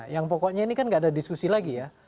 yang pokoknya ini kan nggak ada diskusi lagi ya